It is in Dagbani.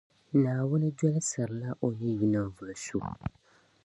Naawuni dolsirila O ni yu ninvuɣu so.